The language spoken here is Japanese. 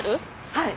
はい。